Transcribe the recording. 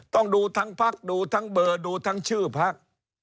ต้องดูทั้งพักดูทั้งเบอร์ดูทั้งชื่อพัก